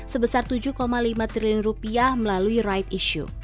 sebesar tujuh lima triliun rupiah melalui right issue